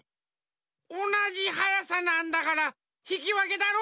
おなじはやさなんだからひきわけだろ？